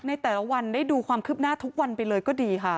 ในแต่ละวันได้ดูความคืบหน้าทุกวันไปเลยก็ดีค่ะ